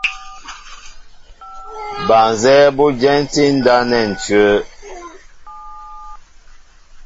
Ba nzɛ́ɛ́ bó ú dyɛntí ndáp nɛ́ ǹcʉ́wə́.